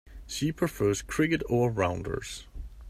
She prefers cricket over rounders.